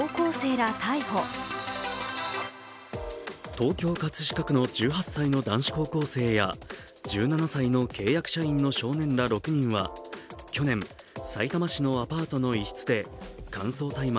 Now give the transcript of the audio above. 東京・葛飾区の１８歳の男子高校生や１７歳の契約社員の少年ら６人は去年、さいたま市のアパートの一室で乾燥大麻